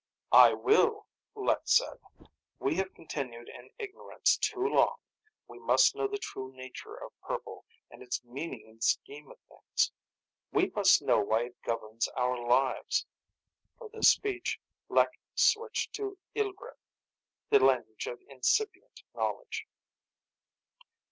"I will," Lek said. "We have continued in ignorance too long. We must know the true nature of purple, and its meaning in the scheme of things. We must know why it governs our lives." For this speech Lek switched to Ilgret, the language of incipient knowledge.